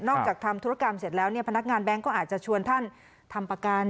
ทำธุรกรรมเสร็จแล้วเนี่ยพนักงานแบงค์ก็อาจจะชวนท่านทำประกัน